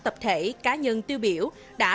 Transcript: tập thể cá nhân tiêu biểu đã